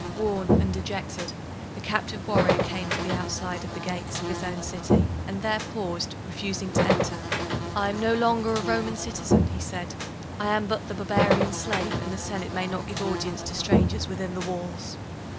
Worn and dejected, the captive warrior came to the outside of the gates of his own city and there paused, refusing to enter. "I am no longer a Roman citizen," he said; "I am but the barbarian's slave, and the Senate may not give audience to strangers within the walls."